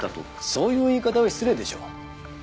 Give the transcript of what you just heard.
そういう言い方は失礼でしょう。